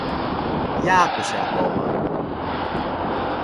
Για άκουσε ακόμα.